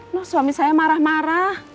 loh suami saya marah marah